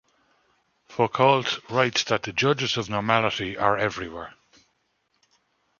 Foucault writes that 'the judges of normality are everywhere'.